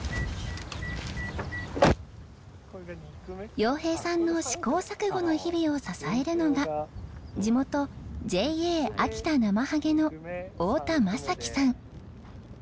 洋平さんの試行錯誤の日々を支えるのが地元ＪＡ秋田なまはげの太田雅樹さん。